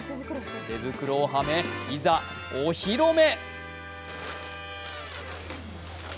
手袋をはめ、いざお披露目！